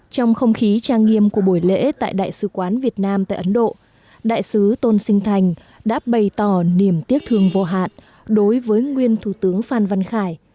trong không khí trang nghiêm của buổi lễ tại đại sứ quán việt nam tại ấn độ đại sứ tôn sinh thành đã bày tỏ niềm tiếc thương vô hạn đối với nguyên thủ tướng phan văn khải